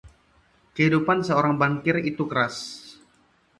Kehidupan seorang bankir itu keras.